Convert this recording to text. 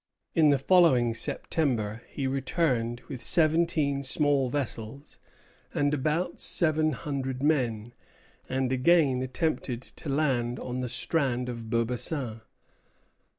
In the following September he returned with seventeen small vessels and about seven hundred men, and again attempted to land on the strand of Beaubassin.